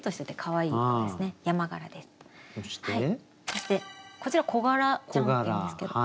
そしてこちらコガラちゃんっていうんですけど。